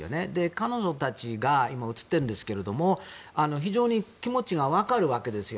彼女たちが今、映っているんですが非常に気持ちがわかるわけですよ。